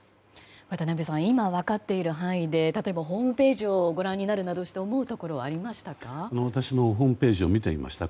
渡辺さん、今分かっている範囲で例えばホームページをご覧になるなどして私もホームページを見てみました